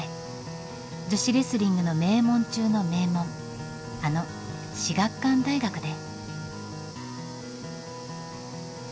女子レスリングの名門中の名門あの至学館大学で。